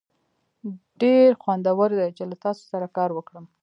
ډیر خوندور دی چې له تاسو سره کار وکړم.